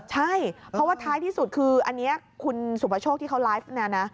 ใช่เพราะว่าท้ายที่สุดคืออันนี้คุณสุประโชคที่เขาไลฟ์เนี่ยนะ